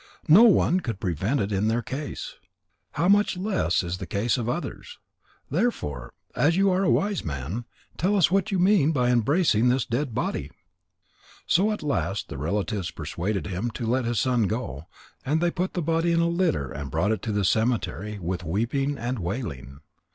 No one could prevent it in their case. How much less in the case of others? Therefore, as you are a wise man, tell us what you mean by embracing this dead body?" So at last the relatives persuaded him to let his son go, and they put the body in a litter and brought it to the cemetery with weeping and wailing.